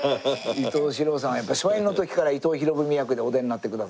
伊東四朗さんは初演の時から伊藤博文役でお出になってくださってて。